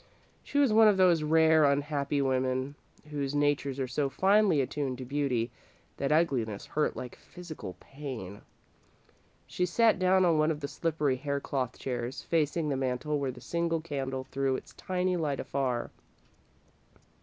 She was one of those rare, unhappy women whose natures are so finely attuned to beauty that ugliness hurts like physical pain. She sat down on one of the slippery haircloth chairs, facing the mantel where the single candle threw its tiny light afar.